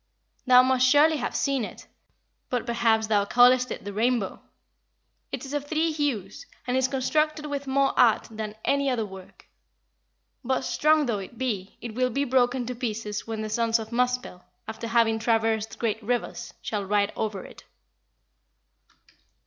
Thou must surely have seen it; but, perhaps, thou callest it the rainbow. It is of three hues, and is constructed with more art than any other work. But, strong though it be, it will be broken to pieces when the sons of Muspell, after having traversed great rivers, shall ride over it."